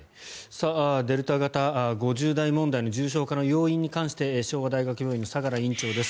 デルタ型、５０代問題の重症化の要因について昭和大学病院の相良院長です。